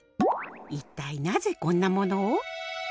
一体なぜこんなものを？